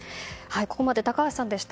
ここまで高橋さんでした。